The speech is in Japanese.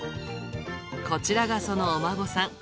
こちらがそのお孫さん。